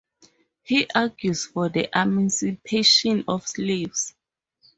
He argues for the emancipation of slaves.